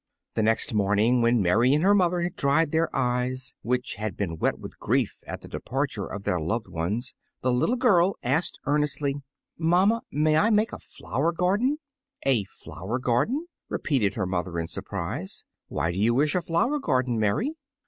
The next morning, when Mary and her mother had dried their eyes, which had been wet with grief at the departure of their loved ones, the little girl asked earnestly, "Mamma, may I make a flower garden?" "A flower garden!" repeated her mother in surprise; "why do you wish a flower garden, Mary?"